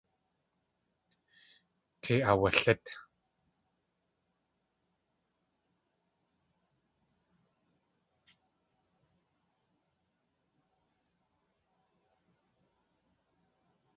Kei aawalít.